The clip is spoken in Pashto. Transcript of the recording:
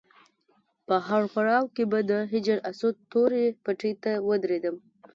په هر پړاو کې به د حجر اسود تورې پټۍ ته ودرېدم.